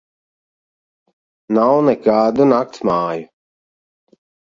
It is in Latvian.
Nav nekādu naktsmāju.